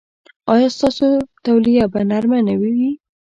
ایا ستاسو تولیه به نرمه وي؟